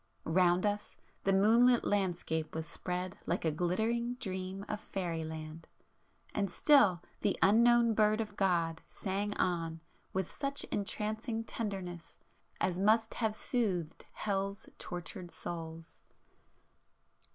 Round us the moonlit landscape was spread like a glittering dream of fairyland,—and still the unknown bird of God sang on with such entrancing tenderness as must have soothed hell's tortured souls.